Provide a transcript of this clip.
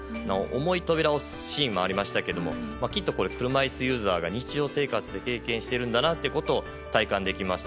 重い扉を押すシーンもありましたけどきっと車いすユーザーが日常生活で体験してるんだなと体感できました。